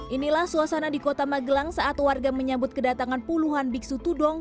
inilah suasana di kota magelang saat warga menyambut kedatangan puluhan biksu tudong